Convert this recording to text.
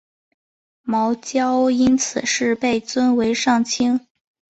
茅焦因此事被尊为上卿。